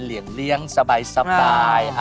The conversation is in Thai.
เหลี่ยงเลี้ยงสบาย